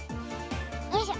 よいしょ。